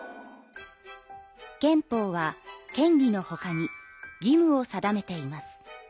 憲法は権利のほかに義務を定めています。